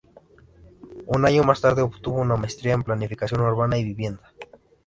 Un año más tarde obtuvo una maestría en planificación urbana y vivienda.